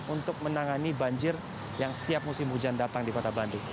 untuk menangani banjir yang setiap musim hujan datang di kota bandung